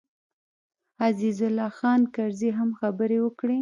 عزیز الله خان کرزي هم خبرې وکړې.